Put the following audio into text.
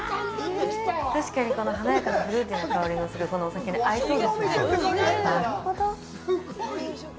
確かに、華やかなフルーティーな香りのする、このお酒に合いそうですね。